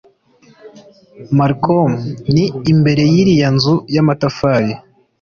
malcolm ni imbere y'iriya nzu y'amatafari